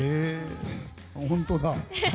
本当だ。